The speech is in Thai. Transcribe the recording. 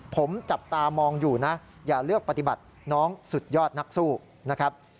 ผมจับตามองอยู่นะอย่าเลือกปฏิบัติน้องสุดยอดนักสู้นะครับ